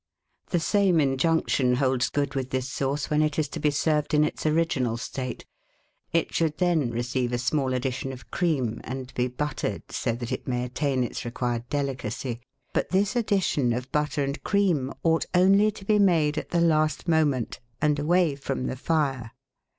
The same injunction holds good with this sauce when it is to be served in its original state ; it should then receive a small addition of cream, and be buttered so that it may attain its required delicacy ; but this addition of butter and cream ought only to be made at the last moment, and away from the fire.